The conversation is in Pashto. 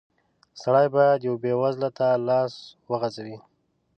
سړی بايد يوه بېوزله ته لاس وغزوي.